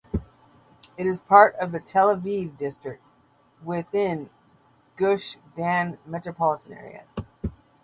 It is part of the Tel Aviv District, within Gush Dan metropolitan area.